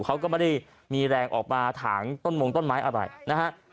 เขาก็ไม่ได้มีแรงออกมาถางต้นมงต้นไม้อะไรนะฮะ